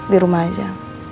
di rumah aja